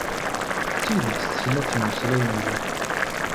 D tidet tessen ad temmeslay mliḥ.